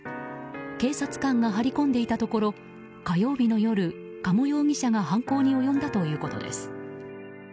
警察官が張り込んでいたところ火曜日の夜加茂容疑者が犯行に及んだということです。